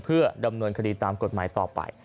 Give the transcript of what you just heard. เพื่อดำเนินคดีตามกฎหมายต่อไป